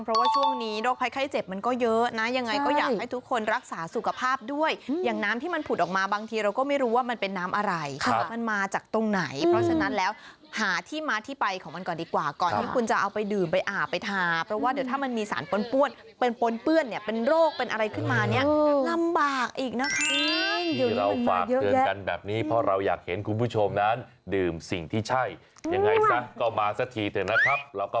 เพราะว่าช่วงนี้โรคภัยไข้เจ็บมันก็เยอะนะยังไงก็อยากให้ทุกคนรักษาสุขภาพด้วยอย่างน้ำที่มันผุดออกมาบางทีเราก็ไม่รู้ว่ามันเป็นน้ำอะไรมันมาจากตรงไหนเพราะฉะนั้นแล้วหาที่มาที่ไปของมันก่อนดีกว่าก่อนที่คุณจะเอาไปดื่มไปอาบไปทาเพราะว่าเดี๋ยวถ้ามันมีสารปนเป็นปนเปื้อนเนี่ยเป็นโรคเป็นอะไรขึ้นมาเนี่ยลำบากอีกนะคะ